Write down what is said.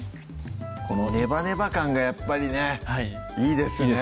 このネバネバ感がやっぱりねいいですね